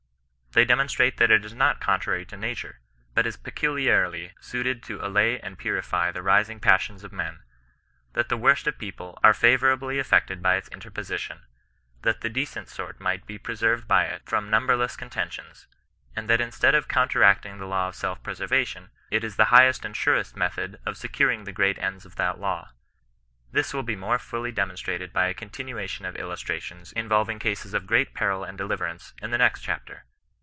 They demonstrate that it is not contrary to nature, but is peculiarly suited to allay and purify the rising passions of men ; that the worst of people are favourably affected by its interposi tion ; that the decent sort might be preserved by it from numberless contentions, and that instead of counteract ing the law of self preservation, it is the highest and surest method of securing the great ends of that law. This will be more fully demonstrated by a continuation of illustrations involving cases of greater peril and de liverance, in the next chapter.